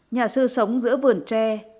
nhà sư sống giữa vườn tre